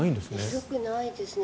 広くないですね。